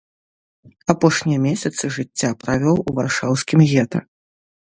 Апошнія месяцы жыцця правёў у варшаўскім гета.